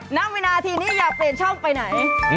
ณวินาทีนี้อย่าเปลี่ยนช่องไปไหน